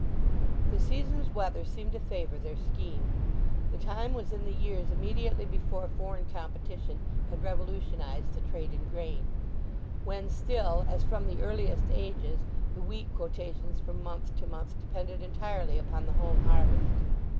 The season's weather seemed to favour their scheme. The time was in the years immediately before foreign competition had revolutionized the trade in grain; when still, as from the earliest ages, the wheat quotations from month to month depended entirely upon the home harvest.